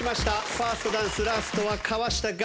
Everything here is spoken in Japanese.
ファーストダンスラストは河下楽。